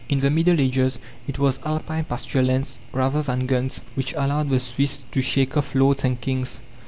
In the Middle Ages it was Alpine pasture lands, rather than guns, which allowed the Swiss to shake off lords and kings.